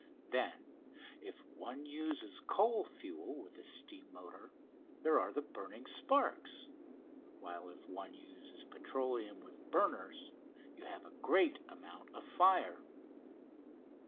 Then if one uses coal fuel with the steam motor there are the burning sparks; while if one uses petroleum with burners you have a great amount of fire.